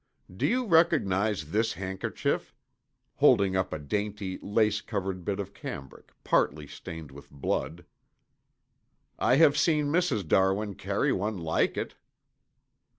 "Do you recognize this handkerchief?" holding up a dainty lace covered bit of cambric partly stained with blood. "I have seen Mrs. Darwin carry one like it."